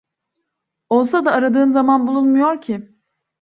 Olsa da aradığın zaman bulunmuyor ki…